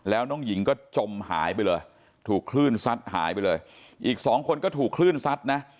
แล้วน้องหญิงก็จมหายไปเลยถูกคลื่นซัดหายไปเลยอีกสองคนก็ถูกคลื่นซัดนะ